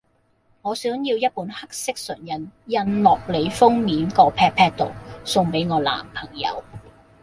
我想要一本黑色唇印，印落你封面個 pat pat 度，送俾我男朋友